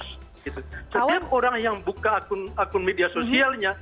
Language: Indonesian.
setiap orang yang buka akun media sosialnya